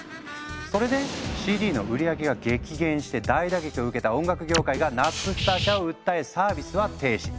それでＣＤの売り上げが激減して大打撃を受けた音楽業界がナップスター社を訴えサービスは停止。